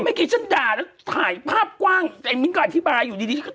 ไม่เก่งว่าด่าถ่ายภาพกว้างใจมิ้งก่อนพิบาย